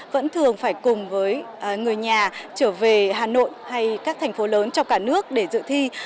vẫn thường phải cùng với người nhà trở về hà nội hay các thành phố lớn trong cả nước để dự thi